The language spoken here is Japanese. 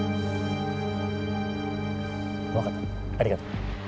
分かったありがとう。